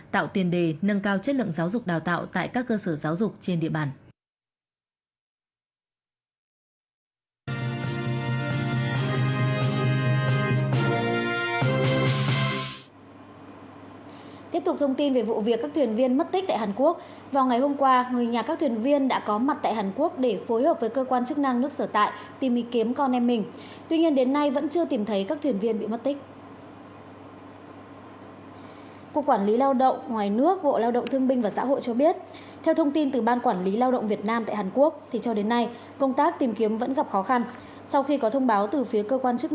tạo tiền đề nâng cao chất lượng giáo dục đào tạo tại các cơ sở giáo dục trên địa bàn